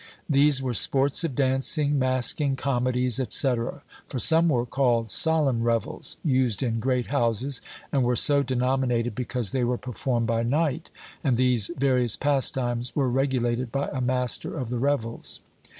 These were sports of dancing, masking comedies, &c. (for some were called solemn revels,) used in great houses, and were so denominated because they were performed by night; and these various pastimes were regulated by a master of the revels.